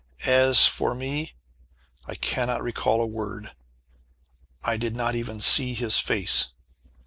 As for me, I cannot recall a word! I did not even see his face.